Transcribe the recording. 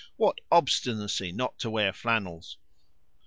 What obstinacy not to wear flannels!